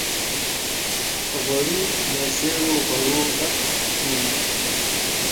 غوړي له زېړو غوړو ډک منګي کې وو.